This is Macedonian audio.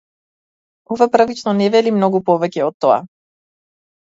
Ова првично не вели многу повеќе од тоа.